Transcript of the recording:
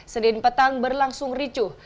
senin petang berlangsung ricuh